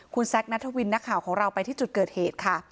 คุณแซคนัทวินนักข่าวของเราไปที่จุดเกิดเหตุค่ะ